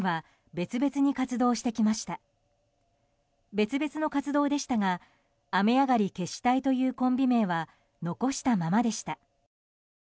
別々の活動でしたが雨上がり決死隊というコンビ名は残したままでした。